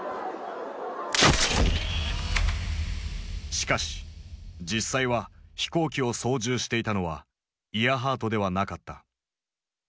しかし実際は飛行機を操縦していたのはイアハートではなかった。